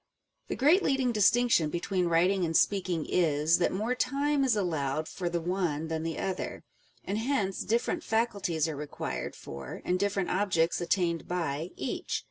The great leading distinction between writing and speaking is, that more time is allowed for the one than the other ; and hence different faculties are required for, and different objects attained by, each.